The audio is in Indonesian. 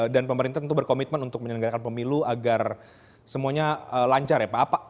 dan pemerintah tentu berkomitmen untuk menyelenggarakan pemilu agar semuanya lancar ya pak